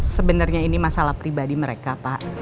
sebenarnya ini masalah pribadi mereka pak